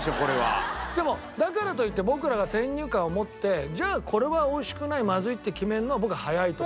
でもだからといって僕らが先入観を持ってじゃあこれは美味しくないまずいって決めるのは僕は早いと思う。